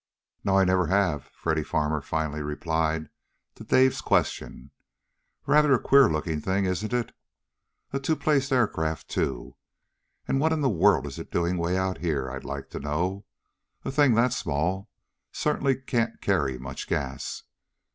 "No, I never have," Freddy Farmer finally replied to Dave's question. "Rather a queer looking thing, isn't it? A two place aircraft, too. And what in the world is it doing way out here, I'd like to know? A thing that small certainly can't carry much gas!"